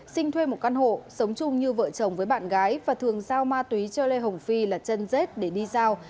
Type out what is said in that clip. sinh thuê một căn hộ sống chung như vợ chồng với bạn gái và thường giao ma túy cho lê hồng phi là chân rết để đi giao